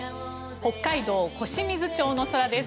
北海道小清水町の空です。